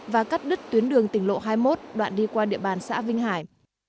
và cắt đứt tuyến đường tỉnh lộ hai mươi một đoạn đi qua địa bàn xã vinh hải